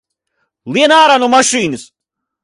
Lien ārā no mašīnas!